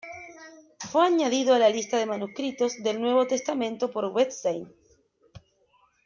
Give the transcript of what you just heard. Fue añadido a la lista de manuscritos del Nuevo Testamento por Wettstein.